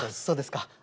そうですか。